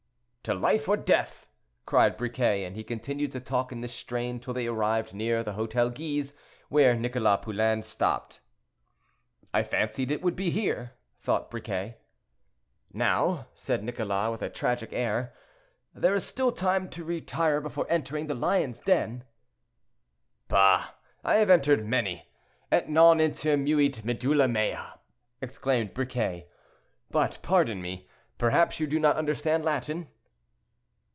"To life or death!" cried Briquet, and he continued to talk in this strain till they arrived near the Hotel Guise, where Nicholas Poulain stopped. "I fancied it would be here," thought Briquet. "Now," said Nicholas, with a tragic air, "there is still time to retire before entering the lion's den." "Bah! I have entered many. Et non intermuit medulla mea!" exclaimed Briquet; "but pardon me, perhaps you do not understand Latin?"